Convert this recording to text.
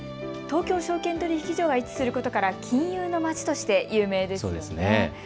東京証券取引所が位置することから金融の街として有名ですよね。